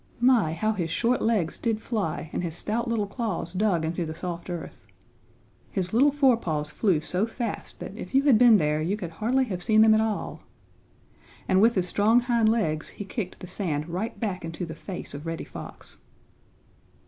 My, how his short legs did fly and his stout little claws dug into the soft earth! His little forepaws flew so fast that if you had been there you could hardly have seen them at all. And with his strong hind legs he kicked the sand right back into the face of Reddy Fox.